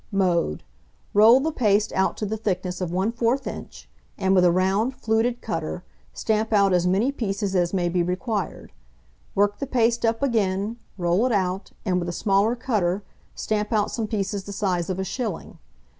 Mode. Roll the paste out to the thickness of 1/4 inch, and, with a round fluted cutter, stamp out as many pieces as may be required. Work the paste up again, roll it out, and, with a smaller cutter, stamp out some pieces the size of a shilling.